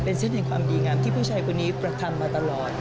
ซิตแห่งความดีงามที่ผู้ชายคนนี้กระทำมาตลอด